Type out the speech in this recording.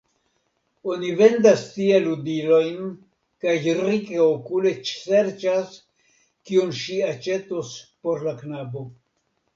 Oni vendas tie ludilojn, kaj Rika okule serĉas, kion ŝi aĉetos por la knabo.